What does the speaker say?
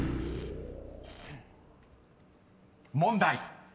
［問題］